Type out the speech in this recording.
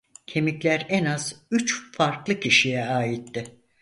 Kemikler en az üç farklı kişiye aitti.